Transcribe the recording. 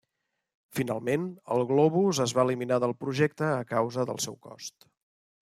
Finalment, el globus es va eliminar del projecte a causa del seu cost.